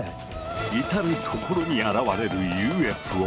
至る所に現れるＵＦＯ！